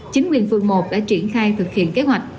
chính quyền phường một đã triển khai thực hiện kế hoạch